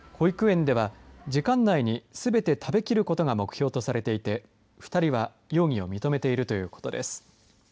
保育園では時間内にすべて食べきることが目標とされていて、２人は容疑を認めているということです。